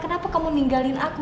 kenapa kamu ninggalin aku